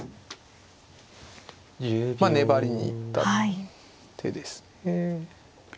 まあ粘りに行った手ですね。